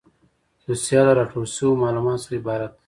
دوسیه له راټول شویو معلوماتو څخه عبارت ده.